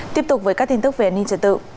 tiếp tục với các tin tức về an ninh trật tự